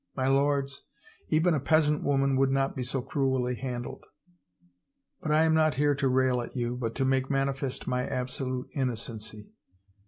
" My lords, even a peasant woman would not be so cruelly handled ! But I am not here to rail at you, but to make manifest my absolute innocency.